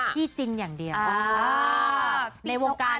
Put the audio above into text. พี่จินอย่างเดียว